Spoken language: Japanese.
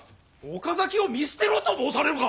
岡崎を見捨てろと申されるか！